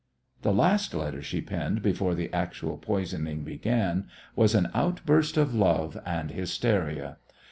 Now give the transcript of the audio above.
The last letter she penned before the actual poisoning began was an outburst of love and hysteria.